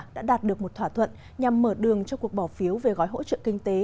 đã đạt được một thỏa thuận nhằm mở đường cho cuộc bỏ phiếu về gói hỗ trợ kinh tế